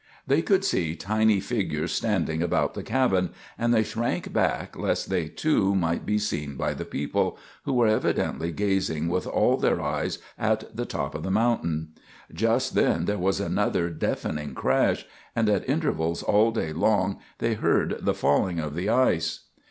They could see tiny figures standing about the cabin, and they shrank back lest they, too, might be seen by the people, who were evidently gazing with all their eyes at the top of the mountain. Just then there was another deafening crash, and at intervals all day long they heard the falling of the ice.